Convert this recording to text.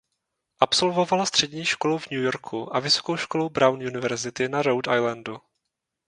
Absolvovala střední školu v New Yorku a vysokou školu Brown University na Rhode Islandu.